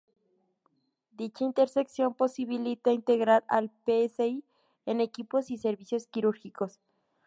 Dicha intersección posibilita integrar al "psi" en equipos y servicios quirúrgicos.